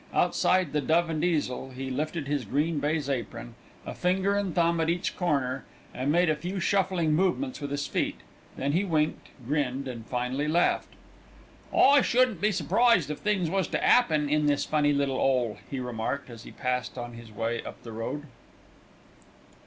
Outside the Dove and Easel he lifted his green baize apron, a finger and thumb at each corner, and made a few shuffling movements with his feet; then he winked, grinned, and finally laughed. "I shouldn't be surprised if things was to 'appen in this funny little 'ole," he remarked, as he passed on his way up the road.